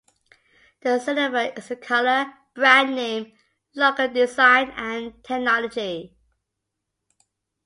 The signifier is the color, brand name, logo design, and technology.